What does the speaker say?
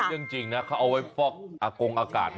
อันนี้จริงนะเขาเอาไว้ฟอกกงอากาศ